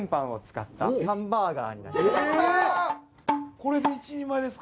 これで一人前ですか？